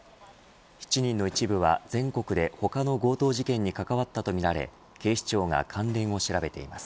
７人の一部は全国で他の強盗事件に関わったとみられ警視庁が関連を調べています。